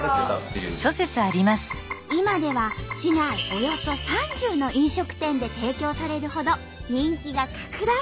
およそ３０の飲食店で提供されるほど人気が拡大。